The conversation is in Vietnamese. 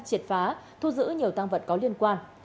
triệt phá thu giữ nhiều tăng vật có liên quan